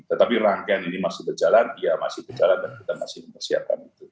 tetapi rangkaian ini masih berjalan ya masih berjalan dan kita masih mempersiapkan itu